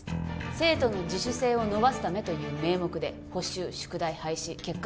生徒の自主性を伸ばすためという名目で補習宿題廃止結果